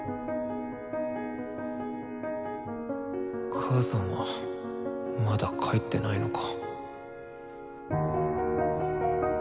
母さんはまだ帰ってないのか。